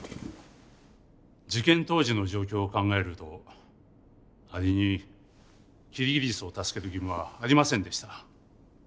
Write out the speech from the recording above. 事件当時の状況を考えるとアリにキリギリスを助ける義務はありませんでした。